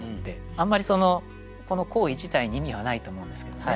あんまりこの行為自体に意味はないと思うんですけどね。